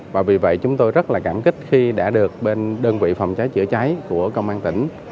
và vì vậy chúng tôi rất là cảm kích khi đã được bên đơn vị phòng cháy chữa cháy của công an tỉnh